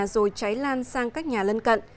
rồi trái lan sang các nhà lân cận